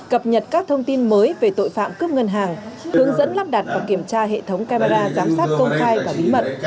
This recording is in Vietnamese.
cập nhật các thông tin mới về tội phạm cướp ngân hàng hướng dẫn lắp đặt và kiểm tra hệ thống camera giám sát công khai và bí mật